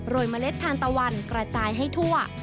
โดยเมล็ดทานตะวันกระจายให้ทั่ว